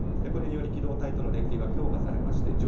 これにより機動隊との連携が強化されまして